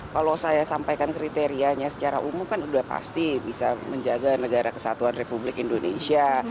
kalau saya sampaikan kriterianya secara umum kan sudah pasti bisa menjaga negara kesatuan republik indonesia